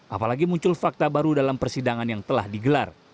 apalagi muncul fakta baru dalam persidangan yang telah digelar